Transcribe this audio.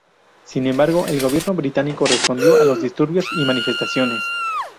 Sin embargo, el gobierno británico respondió a los disturbios y manifestaciones.